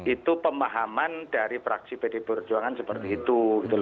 itu pemahaman dari praksi pdi perjuangan seperti itu